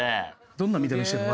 どんな見た目してるの？